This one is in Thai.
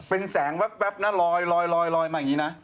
เป็นแสงวัดนะลอยมาแบบนี้นะ